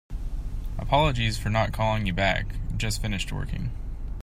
Apologies for not calling you back. Just finished working.